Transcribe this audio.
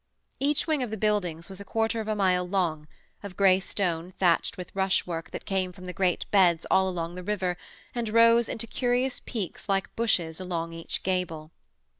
Each wing of the buildings was a quarter of a mile long, of grey stone thatched with rushwork that came from the great beds all along the river and rose into curious peaks like bushes along each gable.